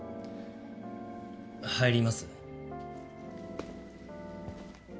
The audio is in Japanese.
入ります？